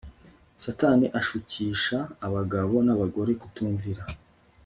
Satani ashukisha abagabo nabagore kutumvira